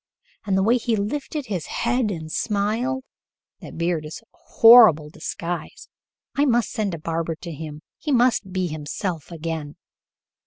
And the way he lifted his head and smiled? That beard is a horrible disguise. I must send a barber to him. He must be himself again."